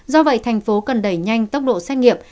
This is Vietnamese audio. do vậy thành phố cần đẩy nhanh tốc độ xét nghiệm